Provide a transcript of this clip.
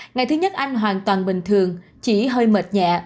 ngày thứ nhất anh hoàn toàn bình thường chỉ hơi mệt nhẹ